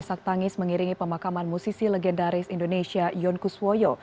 sak tangis mengiringi pemakaman musisi legendaris indonesia yon kuswoyo